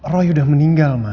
roy udah meninggal ma